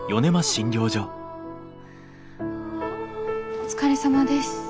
お疲れさまです。